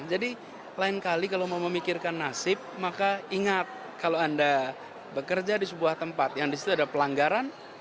jadi lain kali kalau mau memikirkan nasib maka ingat kalau anda bekerja di sebuah tempat yang di situ ada pelanggaran